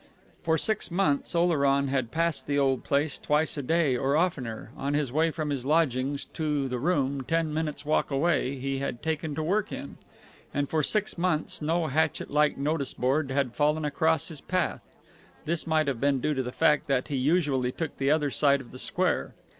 For six months Oleron had passed the old place twice a day or oftener, on his way from his lodgings to the room, ten minutes' walk away, he had taken to work in; and for six months no hatchet like notice board had fallen across his path. This might have been due to the fact that he usually took the other side of the square.